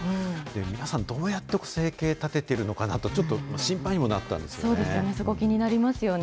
皆さん、どうやって生計立ててるのかなって、ちょっと心配にもなったんでそうですよね、そこ気になりますよね。